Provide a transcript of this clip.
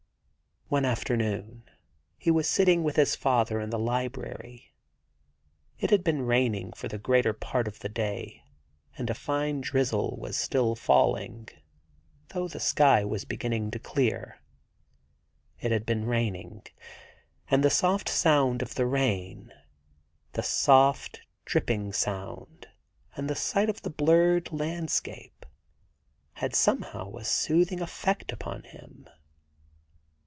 One afternoon he was sitting with his father in the library. It had been raining for the greater part of the day, and a fine drizzle was still falling, though the sky was beginning to clear. It had been raining, and the soft sound of the rain — the soft, dripping sound, and the sight of the blurred landscape, had somehow a soothing effect upon him.